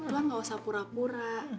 gue gak usah pura pura